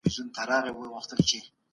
دا شورا د پوهنې او روغتيا لپاره کار کوي.